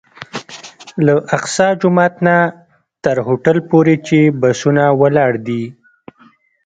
له اقصی جومات نه تر هوټل پورې چې بسونه ولاړ دي.